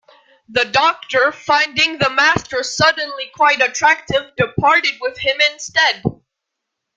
The Doctor, finding the Master suddenly quite attractive, departed with him instead.